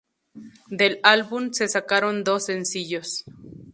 Del álbum se sacaron dos sencillos.